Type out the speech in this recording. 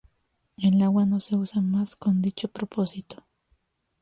El agua no se usa más con dicho propósito.